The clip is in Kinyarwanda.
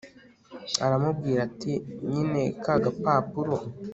aramubwira ati nyine kagapapuro